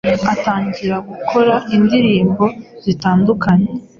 atangira gukora indirimbo zitandukanye